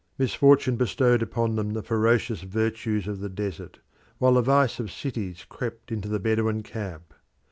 Misfortune bestowed upon them the ferocious virtues of the desert, while the vice of cities crept into the Bedouin camp.